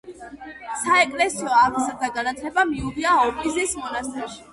საეკლესიო აღზრდა-განათლება მიუღია ოპიზის მონასტერში.